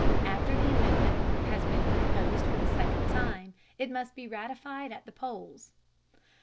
After the amendment has been proposed for the second time, it must be ratified at the polls.